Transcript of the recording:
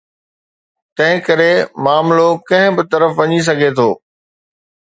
تنهنڪري معاملو ڪنهن به طرف وڃي سگهي ٿو.